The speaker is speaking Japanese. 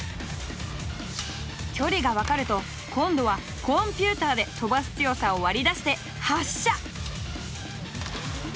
距離が分かると今度はコンピューターで飛ばす強さを割り出して発射！